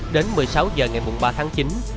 đến một mươi sáu h ngày ba tháng chín